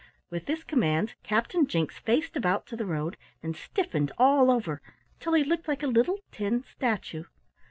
With this command, Captain Jinks faced about to the road, and stiffened all over till he looked like a little tin statue.